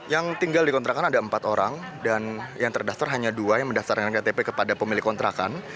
yang tinggal di kontrakan ada empat orang dan yang terdasar hanya dua yang mendaftarkan ktp kepada pemilik kontrakan